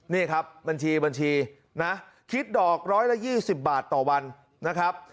นี่ครับบัญชีบัญชีนะคิดดอกร้อยละ๒๐บาทต่อวันนะครับ